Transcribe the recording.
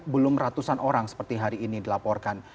belum ratusan orang seperti hari ini dilaporkan